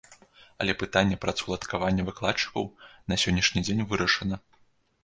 Але пытанне працаўладкавання выкладчыкаў на сённяшні дзень вырашана.